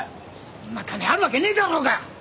そんな金あるわけねえだろうが！